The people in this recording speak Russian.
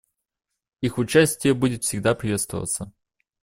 Их участие будет всегда приветствоваться.